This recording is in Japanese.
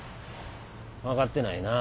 分かってないな。